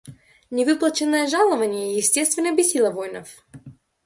Невыплаченное жалование естественно бесило воинов.